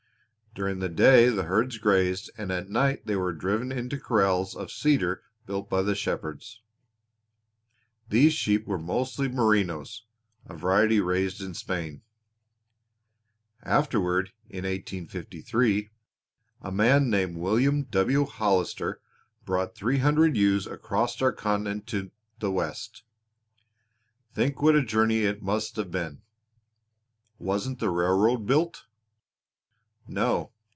During the day the herds grazed, and at night they were driven into corrals of cedar built by the shepherds. These sheep were mostly Merinos, a variety raised in Spain. Afterward, in 1853, a man named William W. Hollister brought three hundred ewes across our continent to the West. Think what a journey it must have been!" "Wasn't the railroad built?" "No.